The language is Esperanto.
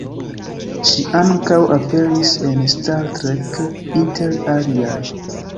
Ŝi ankaŭ aperis en Star Trek, inter aliaj.